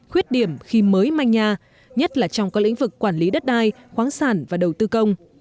khuyết điểm khi mới manh nhà nhất là trong các lĩnh vực quản lý đất đai khoáng sản và đầu tư công